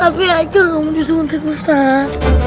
tapi haikal gak mau jual untuk ustadz